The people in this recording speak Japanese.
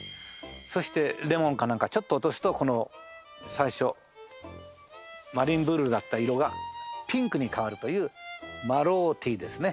そしてレモンかなんかちょっと落とすとこの最初マリンブルーだった色がピンクに変わるというマロウティーですね。